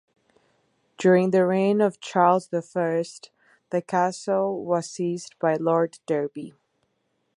During the reign of Charles the First the castle was seized by Lord Derby.